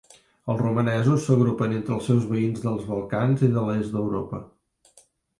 Els romanesos s'agrupen entre els seus veïns dels Balcans i de l'est d'Europa.